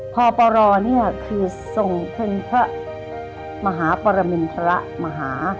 ปปรนี่คือทรงเป็นพระมหาปรมินทรมาหา